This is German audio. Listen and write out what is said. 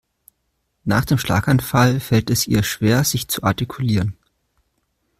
Nach dem Schlaganfall fällt es ihr schwer sich zu artikulieren.